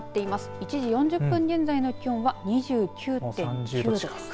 １時４０分現在の気温は２９．９度。